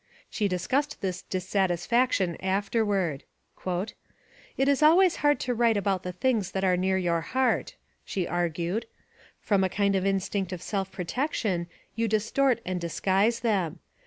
She discussed this dissatisfaction afterward. "It is always hard to write about the things that are near your heart," she argued. "From a kind of in stinct of self protection you distort and disguise them.